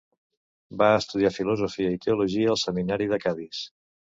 Va estudiar filosofia i teologia al seminari de Cadis.